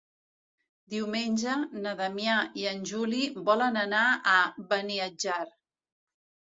Diumenge na Damià i en Juli volen anar a Beniatjar.